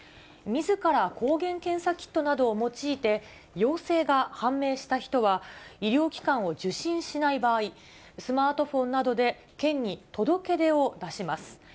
みずから抗原検査キットなどを用いて、陽性が判明した人は、医療機関を受診しない場合、スマートフォンなどで県に届け出を出します。